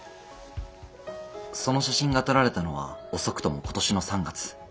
その写真が撮られたのは遅くとも今年の３月。